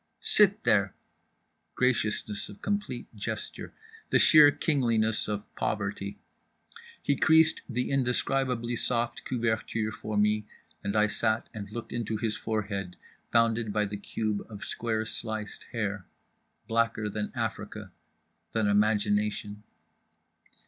"Sit there" (graciousness of complete gesture. The sheer kingliness of poverty. He creased the indescribably soft couverture for me and I sat and looked into his forehead bounded by the cube of square sliced hair. Blacker than Africa. Than imagination).